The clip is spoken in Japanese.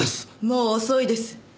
もう遅いです。